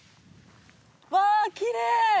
わあきれい！